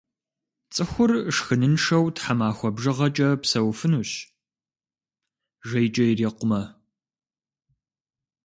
Цӏыхур шхыныншэу тхьэмахуэ бжыгъэкӏэ псэуфынущ, жейкӏэ ирикъумэ.